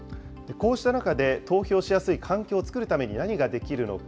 こうした中で、投票しやすい環境を作るために何ができるのか。